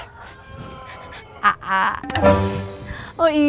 dulu kan mau manggil saya